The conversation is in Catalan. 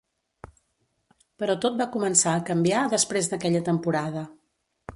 Però tot va començar a canviar després d'aquella temporada.